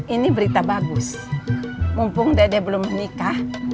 ini berita bagus mumpung dede belum menikah